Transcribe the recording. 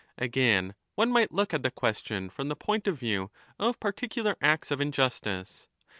Again, one might look at the question from the point of view of particular acts of injustice.